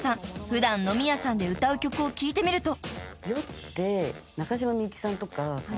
普段飲み屋さんで歌う曲を聞いてみると］